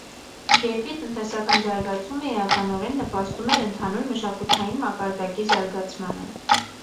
Երկրի տնտեսական զարգացումը էականորեն նպաստում էր ընդհանուր մշակութային մակարդակի զարգացմանը։